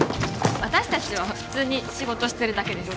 私達は普通に仕事してるだけです